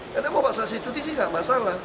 karena mau paksa saya cuti sih nggak masalah